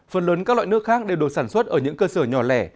phần lớn các loại nước khác đều được sản xuất ở những cơ sở nhỏ lẻ